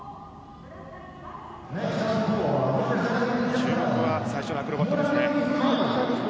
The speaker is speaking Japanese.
注目は最初のアクロバットですね。